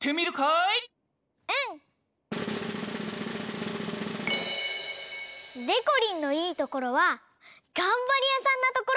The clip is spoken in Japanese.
うん！でこりんのいいところはがんばりやさんなところ！